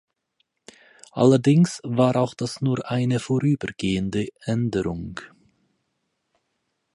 Allerdings war auch das nur eine vorübergehende Änderung.